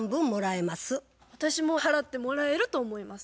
私も払ってもらえると思います。